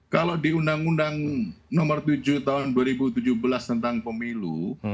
kalau di undang undang nomor tujuh tahun dua ribu tujuh belas tentang pemilu